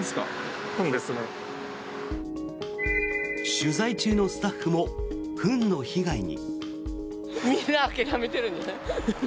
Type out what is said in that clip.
取材中のスタッフもフンの被害に。